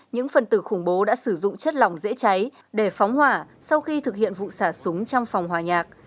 những phần tử khủng bố đã sử dụng chất lỏng dễ cháy để phóng hỏa sau khi thực hiện vụ xả súng trong phòng hòa nhạc